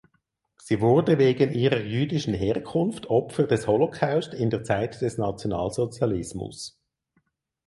Sie wurde wegen ihrer jüdischen Herkunft Opfer des Holocaust in der Zeit des Nationalsozialismus.